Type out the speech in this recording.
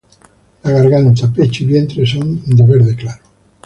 La garganta, pecho y vientre son verde claro.